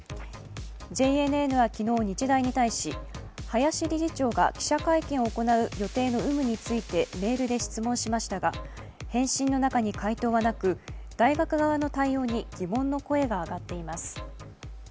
ＪＮＮは昨日、日大に対し、林理事長が記者会見を行う予定の有無についてメールで質問しましたが返信の中に回答はなく大学側の対応に疑問の声が上がっています。